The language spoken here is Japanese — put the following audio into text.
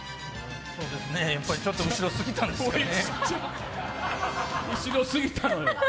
やっぱり後ろすぎたんですかね